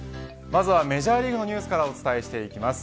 まずはメジャーリーグのニュースからお伝えします。